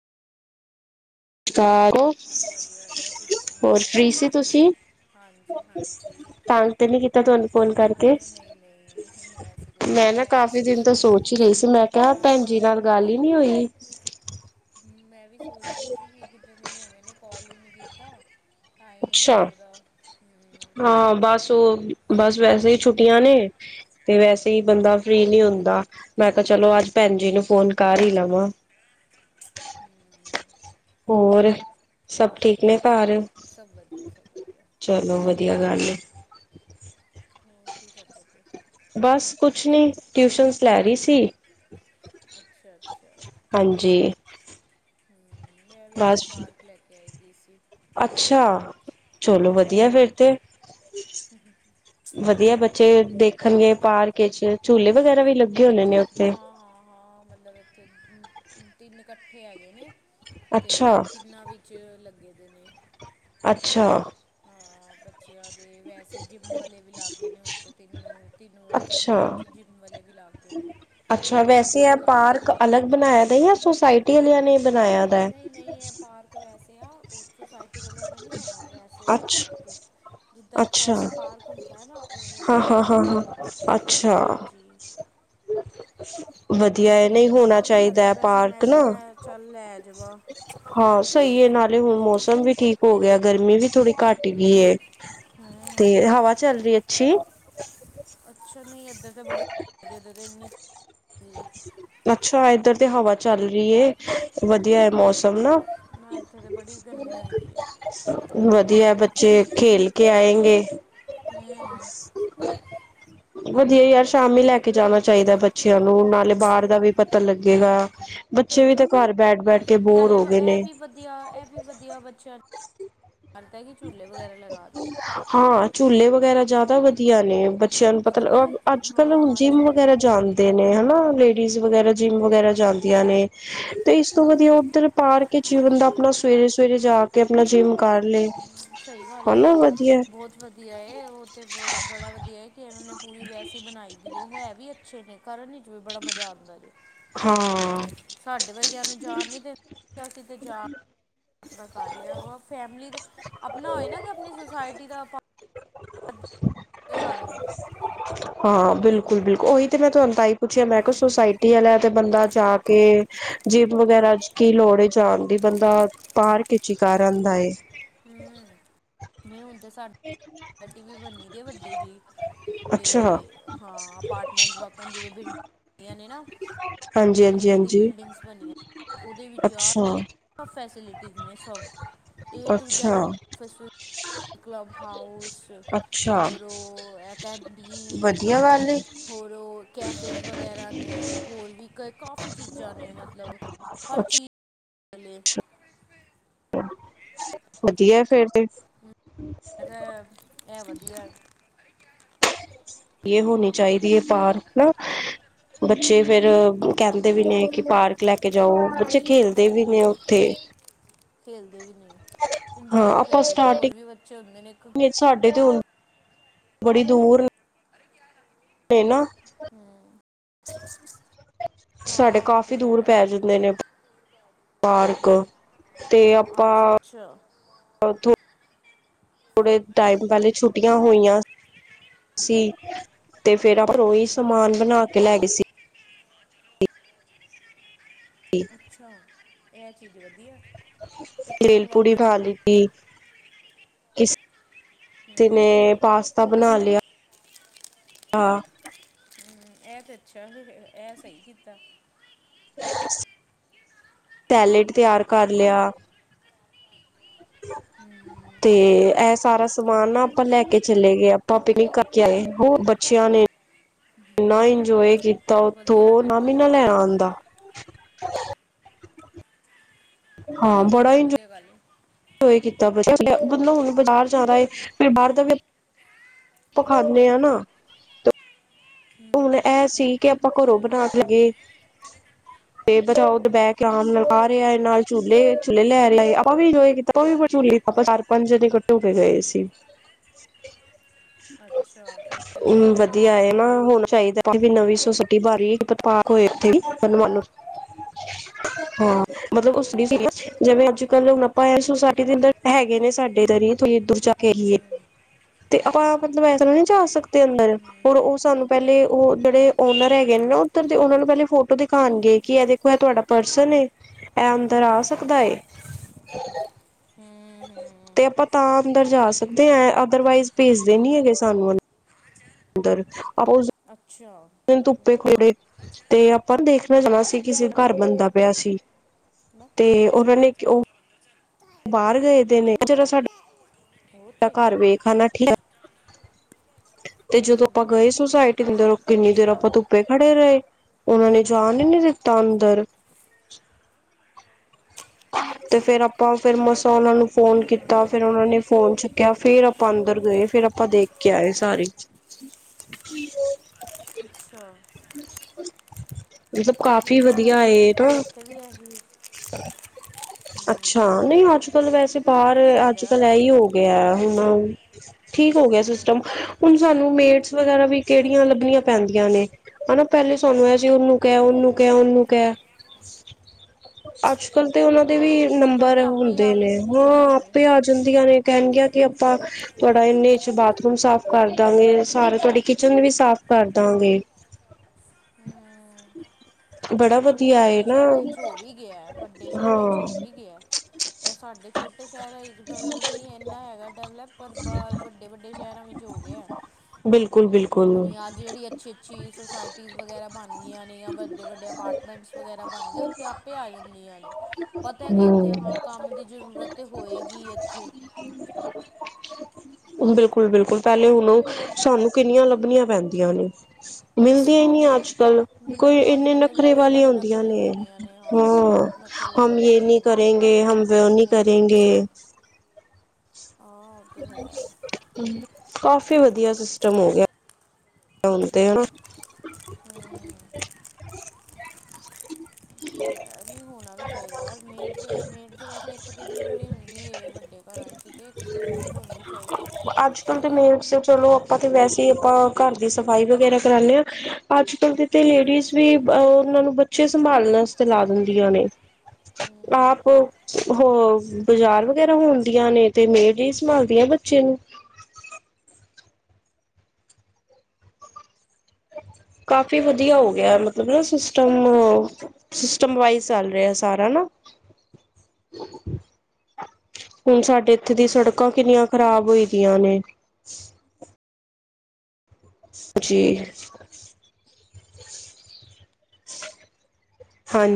ਘਰ ਹੋ, ਵਧੀਆ ਵਧੀਆ ਤੁਸੀਂ ਹੋਰ ਸੁਣਾਓ ਫ੍ਰੀ ਸੀ ਤੁਸੀਂ। ਹਾਂਜੀ -ਹਾਂਜੀ, ਤੰਗ ਤੇ ਨੀ ਕੀਤਾ ਤੁਹਾਨੂੰ ਫੋਨ ਕਰਕੇ ਅਰੇ ਨਹੀਂ -ਨਹੀਂ, ਐਸੀ ਕੋਈ ਗੱਲ ਮੈਂ ਨਾ ਕਾਫ਼ੀ ਦਿਨ ਤੋਂ ਸੋਚ ਹੀ ਰਹੀ ਸੀ, ਮੈਂ ਕਿਹਾ ਭੈਣ ਜੀ ਨਾਲ ਗੱਲ ਹੀ ਨਹੀਂ ਹੋਈ। ਮੈਂ ਵੀ ਸੋਚ ਰਹੀ ਸੀ ਕਿ, ਕਿਤਨੇ ਦਿਨ ਹੋ ਗੇ ਨੇ ਕਾਲ ਹੀ ਨਹੀਂ ਕੀਤਾ। ਟਾਈਮ ਹੀ ਅੱਛਾ, ਨਹੀਂ ਲੱਗਦਾ ਹਮ ਹਾਂ ਬੱਸ ਉਹ। ਬਸ ਵੈਸੇ ਹੀ ਛੁੱਟੀਆਂ ਨੇ ਤੇ ਵੈਸੇ ਹੀ ਹਮ ਬੰਦਾ ਫਰੀ ਨਹੀਂ ਹੁੰਦਾ। ਮੈਂ ਕਿਹਾ, ਚਲੋ ਅੱਜ ਭੈਣ ਜੀ ਨੂੰ ਫੋਨ ਕਰ ਹੀ ਲਵਾਂ। ਹਮ ਹੋਰ, ਸਭ ਬਸ ਠੀਕ ਨੇ ਵਧੀਆ ਘਰ? ਸਭ ਵਧੀਆ ਸਭ ਵਧੀਆ, ਤੁਸੀਂ ਚਲੋ ਵਧੀਆ ਸੁਣਾਓ? ਗੱਲ ਏ ਹੋਰ ਕੀ ਕਰਦੇ ਪਏ? ਬਸ ਕੁਛ ਨਹੀਂ, ਟਿਊਸ਼ਨਸ ਲੈ ਰਹੀ ਸੀ। ਅੱਛਾ-ਅੱਛਾ ਹਾਂਜੀ ਹੂੰ। ਮੈਂ ਵੀ ਬਸ ਇਹਨੂੰ ਪਾਰਕ ਲੇ ਕੇੇ ਆਈ ਦੀ ਸੀ। ਅੱਛਾ, ਚਲੋ ਵਧੀਆ ਏ ਹਾਂ ਫੇਰ ਤੇ। ਵਧੀਆ ਏ ਬੱਚੇ ਦੇਖਣਗੇ ਪਾਰਕ ਈਚ, ਝੂਲੇ ਵਗੈਰਾ ਵੀ ਲੱਗ ਹਾਂ-ਹਾਂ-ਹਾਂ, ਮਤਲਬ ਇੱਥੇ ਤਿੰਨ ਇਕੱਠੇ ਹੈਗੇ ਨੇ। ਅੱਛਾ ਤੇ ਤਿੰਨਾਂ ਵਿੱਚ ਲੱਗੇ ਦੇ ਨੇ। ਅੱਛਾ। ਹਾਂ ਬੱਚਿਆਂ ਦੇ, ਵੈਸੇ ਜਿੰਮ ਵਾਲੇ ਵੀ ਲਾਗੇ ਨੇ ਉੱਦੇ ਤਿੰਨ। ਤਿੰਨ ਅੱਛਾ -ਤਿੰਨਾ ਵਿੱਚ, ਜਿੰਮ ਵਾਲੇ ਵੀ ਲੱਗੇ ਨੇ। ਅੱਛਾ ਲੇਡੀਜ਼ ਵੈਸੇ ਵੀ ਆ ਕਾਫੀ ਪਾਰਕ ਨਹੀਂ ਅਲੱਗ ਬਣਾਇਆ ਦਾ ਆ, ਜਾਂ ਸੋਸਾਇਟੀ ਵਾਲਿਆਂ ਨੇ। ਬਣਾਇਆ ਦਾ ਨਹੀਂ ਇਹ ਪਾਰਕ ਵੈਸੇ ਆ, ਉਹ ਸੁਸਾਇਟੀ ਵੱਲੋਂ ਨੀ ਹੈਗਾ, ਵੈਸੇ ਆ ਅੱਛਾ ਕੇ ਜਿੱਦਾਂ, ਇੱਕ ਵੈਸਾ ਪਾਰਕ ਹੁੰਦਾ ਨਾ। ਉਵੇਂ ਹਾਂ-ਹਾਂ, ਪਾਰਕ ਏ ਹਾਂ- ਹਾਂ, ਅੱਛਾ। ਹਾਂਜੀ ਵਧੀਆ ਮੈਂ ਹੈ ਵੀ ਮੈਂ ਨਹੀਂ ਕਿਹਾ ਹੋਣਾ ਤੰਗ ਚਾਹੀਦਾ ਕਰਦਾ ਹੈ ਪਿਆ ਸੀ, ਮੈਂ ਪਾਰਕ ਕਿਹਾ ਨਾ ਮੈਂ ਚੱਲ ਲੈ ਜਾਵਾਂ। ਹਾਂ ਸਹੀ ਹੈ, ਨਾਲੇ ਹੁਣ ਮੌਸਮ ਵੀ ਠੀਕ ਹੋ ਗਿਆ, ਗਰਮੀ ਵੀ ਥੋੜੀ ਘੱਟ ਗਈ ਹੂੰ ਹੈ, ਹੂੰ ਤੇ ਹਵਾ ਚੱਲ ਰਹੀ ਅੱਛੀ। ਅੱਛਾ ਨਹੀਂ ਇੱਧਰ ਤੇ ਬੜੀ, ਇੱਧਰ ਦੇ ਇੰਨੀ ਧੁੱਪ ਅੱਛਾ ਏਧਰ ਤੇ ਹਵਾ ਚੱਲ ਰਹੀ ਹੈ। ਵਧੀਆ ਹੈ ਮੌਸਮ ਨਾ। ਹੈ ਨਾ ਇੱਥੇ ਤੇ ਬੜੀ ਗਰਮੀ ਹੋਈ ਦੀ ਹੈ ਵਧੀਆ, ਬੱਚੇ ਖੇਲ ਕੇ ਆਏਂਗੇ। ਹੂੰ [inaudible] ਵਧੀਆ ਯਾਰ, ਸ਼ਾਮੀ ਲੈ ਕੇ ਜਾਣਾ ਚਾਹੀਦਾ ਬੱਚਿਆਂ ਨੂੰ, ਨਾਲੇ ਬਾਹਰ ਦਾ ਵੀ ਪਤਾ ਲੱਗੇਗਾ। ਸਈ ਬੱਚੇ ਵੀ ਗ ਤਾਂ ਘਰ ਬੈਠ ਬੈਠ ਕੇ ਬੋਰ ਨਾਲੇ ਹੋ ਵ ਗਏ ਏਹ ਨੇ ਵੀ ਵਧੀਆ, ਏਹ ਵੀ ਵਧੀਆ ਬੱਚਿਆਂ ਨੂੰ ਕਰਦਾ ਹੈ ਕਿ ਝੂਲੇ ਵਗੈਰਾ ਲਗਾ ਦੇ ਹਾਂ ਝੂਲੇ ਵਗੈਰਾ ਜਾਅਦਾ ਵਧੀਆ ਨੇ, ਬੱਚ ਬੱਚਿਆਂ ਨੂੰ ਪਤਾ ਕਿਉਂਕਿ ਬੱਚ ਅ ਬ ਅੱਜ ਕੱਲ ਹੁਣ ਹਾਂ ਜਿੰਮ ਚਲ ਵਗੈਰਾ ਜਾਂਦੇ ਨੇ, ਹੈਨਾਂ, ਲੇਡ ਲੇਡੀਜ਼ ਵਗੈਰਾ ਜਿੰਮ ਵਗੈਰਾ ਜਾਂਦੀਆਂ ਨੇ। ਤੇ ਇਸ ਤੋਂ ਵਧੀਆ ਉੱਧਰ ਪਾਰਕ ਈਚ ਬੰਦਾ ਅਪਣਾ ਸਵੇਰੇ-ਸਵੇਰੇ ਜਾ ਤੇ ਅਪਣਾ ਜਿਮ ਕਰ ਲੇ। ਸਈ ਗੱਲ ਏ, ਬਹੁਤ ਵਧੀਆ ਏ, ਉਹ ਤੇ ਬੋਤ ਬੜਾ ਵਧੀਆ ਹੈ, ਕਿ ਇਹਨਾਂ ਨੇ ਪੂਰੀ ਵੈਸੇ ਈ ਬਨਾਈ ਦੀ ਏ, ਹੈ ਵੀ ਅੱਛੇ ਨੇ, ਕਰਨ ਈਚ ਵੀ ਬੜਾ ਮਜ਼ਾ ਆਂਦਾ ਜੇ। ਹਾਂ ਸਾਡੇ ਵਰਗੇਆਂ ਨੂੰ ਜਾਣ ਨੀ ਦੇ, ਅਸੀ ਤੇ ਜਾ ਅਪਣਾ ਕਰ ਲੇਆ ਵਾ, ਫੈਮਲੀ ਦਾ, ਅਪਣਾ ਹੋਏ ਨਾ ਕਿ ਅਪਣੀ ਸੁਸਾਇਟੀ ਦਾ ਆਪਾਂ ਕੋਈ ਗੱਲ ਨੀ। ਹਾਂ ਬਿਲਕੁਲ-ਬਿਲਕੁਲ, ਉਹੀ ਤੇ ਮੈਂ ਤੁਹਾਨੂੰ ਤਾਂ ਹੀ ਪੁੱਛਿਆ, ਮੈਂ ਕਿਹਾ ਸੋਸਾਇਟੀ ਆਲੇਆ ਤੇ ਬੰਦਾ ਜਾ ਕੇ ਜੀਪ ਵਗੈਰਾ ਇੱਚ ਕੀ ਲੋੜ ਏ ਜਾਣ ਦੀ? ਬੰਦਾ ਪਾਰਕ ਇੱਚ ਈ ਕਰ ਆਂਦਾ ਏ। [unintelligible] ਨੀ ਹੁਣ ਤੇ ਸਾ, ਡੱਡੀ ਵੀ ਬਨੀ ਦੀ ਏ ਵਡੀ ਜਈ। ਤੇ ਅੱਛਾ ਹਾਂ ਅਪਾਰਟਮੈਂਟ ਵਾਕਨ ਜਿਵੇੰ ਬਿਲਡ, ਹੁੰਦੀਆਂ ਨੇ ਨਾ। ਹਾਂਜੀ ਟੂ ਹਾਂਜੀ ਮੇਰੀ ਹਾਂਜੀ ਬਿਲਡਿੰਗਸ ਬਨਿਆਂ, ਉਹਦੇ ਵਿੱਚ ਆ ਅੱਛਾ ਸਬ ਫੈਸਿਲਿਟੀਜ਼ ਨੇ ਸਬ, ਏ ਟੂ ਜੈਡ ਅੱਛਾ ਫੇਸੀ ਕਲੱਬ ਹਾਊਸ ਅੱਛਾ ਔਰ ਉਹ ਐਕੇਡਮੀਨ। ਵਧੀਆ ਗੱਲ ਏ ਹੋਰ ਉਹ ਕੈਫੇਜ਼ ਵਗੈਰਾ ਨੇ, ਹੋਰ ਵੀ ਕ ਕਾਫੀ ਚੀਜ਼ਾਂ ਨੇ ਮਤਲਬ। ਅੱਛ ਹੱਲੇ। ਵਧੀਆ ਏ ਫੇਰ ਤੇ। ਮੈਂ ਕਿਹਾ ਇਹ ਵਧੀਆ। ਇਹ ਹੋਣੀ ਚਾਹੀਦੀ ਏ ਪਾਰਕ ਨ ਬੱਚੇ ਫਿਰ ਕੈਂਦੇ ਵੀ ਨੇ ਕਿ ਪਾਰਕ ਲੈ ਕੇ ਜਾਔ, ਬੱਚੇ ਖੇਲਦੇ ਵੀ ਨੇ ਔ [unintelligible] ਖੇਲਦੇ ਵੀ ਨੇ, ਇੰਜੋਏ ਵੀ ਆਪਾਂ ਕਰਦੇ ਨੇ ਹੋਰ ਵੀ ਸਟਾਰਟਿੰਗ ਬੱਚੇ ਹੁੰਦੇ ਨੇ ਇੱਕ ਸਾਡੇ ਤੇ ਹੁਣ ਬੜੀ ਦੂਰ ਏ ਨਾ- ਹੂੰ ਸਾਡੇ ਕਾਫੀ ਦੂਰ ਪੈ ਜਾਂਦੇ ਨੇ ਪਾਰਕ ਅੱਛਾ-ਅੱਛਾ ਓਥੋਂ ਥੋੜੇ ਟਾਈਮ ਪਹਿਲੇ ਛੁੱਟੀਆਂ ਹੋਈਆਂ ਤੁਸੀਂ, ਤੇ ਫੇਰ ਆਪਾਂ ਉਹੀ ਸਮਾਨ ਬਣਾ ਕੇ ਲੈ ਗਏ ਸੀ। ਅੱਛਾ, ਏਹ ਚੀਜ਼ ਵਧੀਆ ਏ। ਭੇਲ ਪੂੜੀ ਖਾ ਲੀਤੀ। ਇਸ ਤੇ ਮੈਂ ਪਾਸਤਾ ਬਣਾ ਲਆ, ਆ ਹੂੰ, ਏਹ ਤੇ ਅੱਛਾ ਫਿਰ, ਏਹ ਸਈ ਕੀਤਾ। [inaudible] ਟੈਲੇਡ ਤਿਆਰ ਕਰ ਲਆ। ਤੇ ਏਸ ਸਾਰਾ ਸਮਾਨ ਨਾ ਆਪਾਂ ਲੈ ਕੇ ਚਲੇ ਗਏ, ਆਪਾਂ [unintelligible] ਕਰਕੇ ਆਏ, ਉਹ ਬੱਚਿਆਂ ਨੇ ਇੰਨਾ ਇੰਜੋਏ ਕੀਤਾ ਵਧੀਆ ਓਥੋਂ, ਫਿਰ ਨਾਮ ਤੇ ਈ ਨਾ ਲਹ ਆਣ ਦਾ। [unintelligible] ਫੇਰ ਤੇ ਬਹੁਤ ਵਧੀਆ ਗੱਲ ਏ। [unintelligible] ਮਤਲਬ ਬਜ਼ਾਰ ਜਾਨਾ ਏ, ਫਿ ਬਾਰ ਦਾ ਵੀ ਪ ਖ਼ਾਨੇ ਅ ਨਾ ਹੁਣ ਇਹ ਸੀ ਕਿ ਆਪਾਂ ਘਰੋਂ ਬਨਾ ਕੇ ਲਗੇ। ਟੇਬਲ ਬੈਕ ਆਨ ਲਗਾ ਰਿਹਾ ਨਾਲ ਝੂਲੇ, ਝੂਲੇ ਲੈ ਰਿਹਾ [unintelligible] [unintelligible] ਚਾਰ ਪੰਜ ਦਿ ਕੱਟੋ ਹੋ ਕੇ ਗਏ ਸੀ। ਅੱਛਾ ਫਿਰ ਤੇ ਹੂ ਵਧੀਆ ਏ ਨਾ ਹੋਨ ਚਾਹੀਦਾ ਨਵੀਂ ਸੁ ਸਟੀ ਬਾਰੀਹੀ [unintelligible] ਮਤਲਬ ਉਸਦੀ ਸੀ, ਕਿੱਧਰ ਜਿਵੇਂ ਅੱਜ ਚਲੋ ਹੁਣ ਆਪਾਂ ਇਸ ਸੋਸਾਇਟੀ ਦੇ ਅੰਦਰ ਹੈਗੇ ਨੇ ਸਾਡੇ [unintelligible] ਤੇ ਆਪਾਂ ਮਤਲਬ ਇਸ ਵੇਲੇ ਨੀ ਜਾ ਸਕਦੇ ਅੰਦਰ ਔਰ ਉਹ ਸਾਨੂੰ ਪਹਿਲੇ ਉਹ ਜਿਹੜੇ ਔਨਰ ਹੈਗੇ ਨੇ ਨਾ ਉਧਰ ਦੇ, ਉਹਨਾਂ ਨੂੰ ਪਹਿਲੇ ਫੋਟੋ ਦਿਖਾਨਗੇ ਕਿ ਏ ਦੇਖੋ ਇਹ ਤੁਹਾਡਾ ਪਰਸਨ ਏ। ਏ ਅੰਦਰ ਆ ਸਕਦਾ ਐ? [inaudible] ਹਮ ਤੇ ਅਪਾਂ ਤਾਂ ਅੰਦਰ ਜਾ ਸਕਦੇ ਐ ਅਦਰਵਾਈਜ਼ ਪੇਜ਼ਦੇ ਨੀ ਹੈਗੇ ਸਾਨੂੰ ਅਨ ਦਰ ਆਪ [unintelligible] ਅੱਛਾ ਧੁੱਪੇ ਗੜੇ, ਤੇ ਆਪਾਂ ਦੇਖਨਾ ਜਾਣਾ ਸੀ ਕਿਸਿ ਘਰ ਬੰਦਾ ਪਿਆ ਸੀ ਤੇ ਬਸ ਓਹਨਾਂ ਨੇ ਕਿਉਂ ਬਾਰ ਗਏ ਦੇ ਨੇ ਜਦੋਂ ਸਾਡ ਹੋਰ ਮੇਰਾ ਕੋਈ? ਘਰ ਵੇਖ ਆਨਾ ਠੀਕ ਤੇ ਜਦੋਂ ਆਪਾਂ ਗਏ ਸੁਸਾਇਟੀ ਅੰਦਰੋ ਕਿੰਨੀ ਦੇਰ ਅੱਛਾ ਆਪਾਂ ਧੁੱਪੇ ਖੜੇ ਰਏ ਔਨਾਂ ਨੇ ਜਾਨ ਈ ਨੀ ਦਿੱਤਾ ਅੰਦਰ ਤੇ ਫੇਰ ਅੱਛਾ ਆਪਾਂ ਫੇਰ ਮਸਾ ਉਹਨਾ ਨੂੰ ਫੋਨ ਕੀਤਾ ਫੇਰ ਉਹਨਾ ਨੇ ਫੋਨ ਚੁੱਕਿਆ ਫੇਰ ਆਪਾਂ ਅੰਦਰ ਗਏ ਫੇਰ ਆਪਾਂ ਦੇਖ ਕੇ ਆਏ, ਸਾਰੀ [unintelligible] ਮਤਲਬ ਉਹੀ ਕਾਫੀ ਨਾ ਵਧੀਆ ਏਟ, ਇੱਥੇ ਇੱਥੇ ਵੀ ਇਹੀ ਅੱਛਾ ਨਈ ਅੱਜ-ਕੱਲ ਵੈਸੇ ਹੋਣਾ ਬਾਰ ਵੀ ਚਾਹੀਦਾ ਯਾਰ ਅੱਜ-ਕੱਲ ਐਈ ਏਦਾਂ ਹੋ ਗਿਆ ਹੁਨ ਠੀਕ ਹੋ, ਗਿਆ ਸਿਸਟਮ ਹੁਣ ਸਾਨੂੰ ਮੇਟਸ ਵਗੈਰਾ ਵੀ ਕਿਹੜੀਆਂ ਲੱਭਣੀਆਂ ਪੈਂਦੀਆਂ ਨੇ ਹਨਾ ਪਹਿਲੇ ਸਾਨੂੰ ਇਹ ਸੀ ਉਹਨੂੰ ਕਿਹਾ, ਉਹਨੂੰ ਕਿਹਾ ਉਹਨ ਉਹਨੂੰ ਕਿਹਾ ਅੱਜ ਅੱਜ-ਕੱਲ ਤੇ ਉਹਨਾਂ ਦੇ ਵੀ ਹਾਂ ਅੱਜ ਕੱਲ੍ਹ ਨੰਬਰ ਤੇ ਆਪੇ ਹੀ ਹੁੰਦੇ ਆ ਨੇ ਹਾਂ ਜਾਂਦੀਆਂ ਨੇ ਆਪੇ ਆ ਜਾਂਦੀਆਂ ਨੇ ਕਹਿਣਗ ਕਿ ਆਪਾਂ ਤੁਹਾਡਾ ਇੰਨੇ ਇਛੇ ਬਾਥਰੂਮ ਸਾਫ਼ ਕਰ ਦਾਂਗੇ ਸਾਰੇ ਤੁਹਾਡੀ ਕਿਚਨ ਵੀ ਸਾਫ਼ ਕਰ ਦਾਂਗੇ। ਹੂੰ। ਬੜਾ ਵੀ ਵਧੀਆ ਹੈ ਵੱਡੇ ਨਾ ਸ਼ਹਿਰਾਂ ਵਿੱਚ ਹੋ ਵੀ ਗਿਆ ਵੱਡੇ ਹਾਂ ਸ਼ਹਿਰਾਂ ਚ ਹੋ ਵੀ ਗਿਆ, ਇਹ ਸਾਡੇ ਛੋਟੇ ਸ਼ਹਿਰਾਂ ਮਤਲਬ ਨੀ ਇੰਨਾ ਹੈਗਾ ਡਿਵੈਲਪ ਪਰ ਬਾਰ ਵੱਡੇ, ਵੱਡੇ ਸ਼ਹਿਰਾਂ ਵਿੱਚ ਹੋ ਗਿਆ ਬਿਲਕੁਲ ਬਿਲਕੁਲ ਅੱਜ ਜਿਹੜੀ ਅੱਛੀ-ਅੱਛੀ ਸੁੋਸਾਇਟੀਜ਼ ਵਗੈਰਾ ਬਣ ਗਈਆਂ ਨੇ ਜਾਂ ਵੱਡੇ ਵੱਡੇ ਪਾਰਟ ਵਗੈਰਾ ਬਣ ਗਏ ਉੱਥੇ ਆਪੇ ਆ ਜਾਂਦੀਆਂ ਨੇ ਪਤਾ ਹੈ ਕਿ ਉੱਥੇ ਹਮ ਹਾਂ ਕੰਮ ਦੀ ਜਰੂਰਤ ਤੇ ਹੋ ਹੋਏਗੀ ਐਥੇ ਬਿਲਕੁਲ, ਬਿਲਕੁਲ। ਪੈਲੇ ਹੁਨ ਓ ਸਾਨੂੰ ਕਿੰਨੀਆਂ ਲੱਬਨੀਆਂ ਪੈਂਦੀਆਂ ਨੇ, ਮਿਲਦੀਆਂ ਈ ਨੀ ਅੱਜਕੱਲ ਕੋਈ ਮਿਲਦੀਆਂ ਅੱਜ ਇੰਨੇ ਕੱਲ੍ਹ ਦੇ ਨਖਰੇ ਵੈਸੇ ਵਾਲੀਆਂ ਬੜੇ ਹੁੰਦੀਆਂ ਨਖਰੇ ਨੇ, ਹੋਏ ਦੀਆਂ ਨੇ ਹਾਂ ਬਹੁਤ ਨਖਰੇ ਹਮ ਵਾਲੀ ਯੇ ਹੋ ਨੀ ਗਈਆਂ ਨੇ ਕਰੇਗੇ। ਹਮ ਵ ਨੀ ਉਹ ਨਹੀਂ ਕਰੇਗੇ। ਹਾਂ ਉਹ ਤੇ ਹੈ ਕਾਫੀ ਵਦੀਆ ਸਿਸਟਮ ਹੋ ਗਿਆ ਆਉਂਦੇ ਆ ਹੂੰ ਉਹ [unintelligible] ਹੋਨਾ ਵੀ ਚਾਈਦਾ ਯਾਰ ਮੈਡ, ਮੈਡ ਤੇ ਵੈਸੇ ਇੱਕ ਤਾਂ ਜ਼ਰੂਰੀ ਹੁੰਦੀ ਏ ਵੱਡੇ ਘਰਾਂ 'ਇੰਚ ਤੇ ਮੇਡ ਹੋਣੀ ਚਾਹੀਦੀ ਅੱਜ-ਕੱਲ ਤੇ ਮੇਡਸ ਚਲੋ ਆਪਾਂ ਤੇ ਖੁੱਲੇ ਵੈਸੇ ਈ ਅਪਾਂ ਘਰ ਦੀ ਸਫ਼ਾਈ ਵਗੈਰਾ ਕਰਾਉਂਦੇ ਹਾਂ ਅੱਜ, ਕੱਲ ਦੀ ਤੇ ਲੇਡੀਜ਼ ਵੀ ਉਹਨਾਂ ਨੂੰ ਬੱਚੇ ਸੰਭਾਲਣਾ ਲਾ ਦਿੰਦੀਆਂ ਨੇ ਆਪ ਹੋ ਬਾਜ਼ਾਰ ਵਗੈਰਾ ਹਣਦੀਆਂ ਨੇ ਤੇ ਮੇਰ ਜਿਹੀ ਸੰਭਾਲਦੀਆਂ ਬੱਚੇ ਨੂੰ [unintelligible] ਕਾਫੀ ਵਧੀਆ ਹੋਗ ਮਤਲਬ ਨਾ ਸਿਸਟਮ-ਸਿਸਟਮ ਵਾਈਜ਼ ਚੱਲ ਰਿਹਾ ਸਾਰਾ ਨਾ [unintelligible] [unintelligible] ਹੁਣ ਸਾਡੇ ਇੱਥੇ ਦੀ ਸੜਕਾਂ ਕਿੰਨੀਆਂ ਖ਼ਰਾਬ ਹੋ ਦੀਆਂ ਨੇ ਜੀ। ਹਾਂਜੀ।